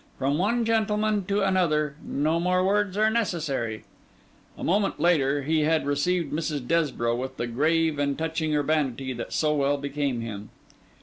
From one gentleman to another, no more words are necessary.' A moment after, he had received Mrs. Desborough with that grave and touching urbanity that so well became him.